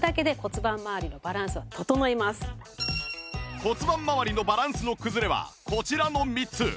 骨盤まわりのバランスの崩れはこちらの３つ